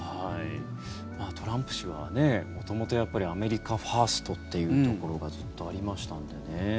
トランプ氏は元々、やっぱりアメリカファーストというところがずっとありましたのでね。